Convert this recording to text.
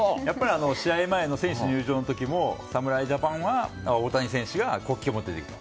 試合前の選手入場の時も侍ジャパンは大谷選手が国旗を持って出てきた。